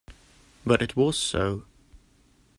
But it was so.